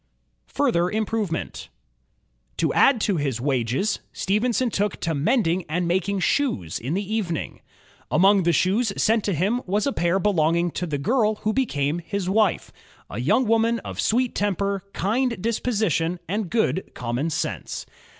Further Improvement To add to his wages, Stephenson took to mending and making shoes in the evening. Among the shoes sent to him was a pair belonging to the girl who became his wife, a young woman of sweet temper, kind disposition, and good common sense.